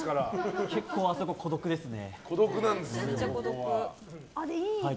結構あそこ孤独ですね。